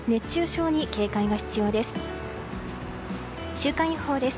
週間予報です。